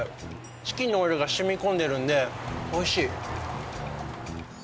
チキンのオイルがしみこんでるんでおいしい。